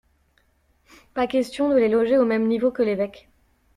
Pas question de les loger au même niveau que l'évêque.